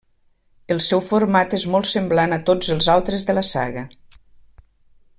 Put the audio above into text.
El seu format és molt semblant a tots els altres de la saga.